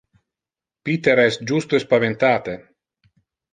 Peter es justo espaventate.